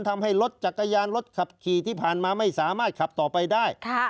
ทำให้รถจักรยานรถขับขี่ที่ผ่านมาไม่สามารถขับต่อไปได้